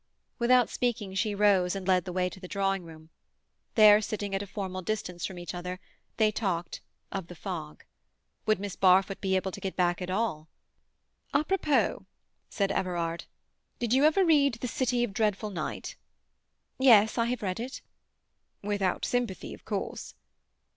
Without speaking, she rose and led the way to the drawing room. There, sitting at a formal distance from each other, they talked—of the fog. Would Miss Barfoot be able to get back at all? "A propos," said Everard, "did you ever read "The City of Dreadful Night"?" "Yes, I have read it." "Without sympathy, of course?"